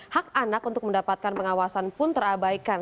hak anak untuk mendapatkan pengawasan pun terabaikan